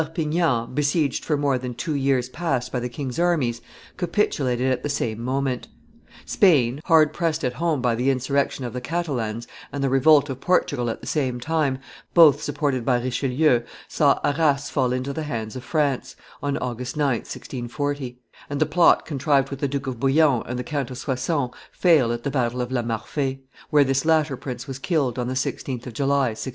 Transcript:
Perpignan, besieged for more than two years past by the king's armies, capitulated at the same moment. Spain, hard pressed at home by the insurrection of the Catalans and the revolt of Portugal at the same time, both supported by Richelieu, saw Arras fall into the hands of France (August 9, 1640), and the plot contrived with the Duke of Bouillon and the Count of Soissons fail at the battle of La Marfee, where this latter prince was killed on the 16th of July, 1641.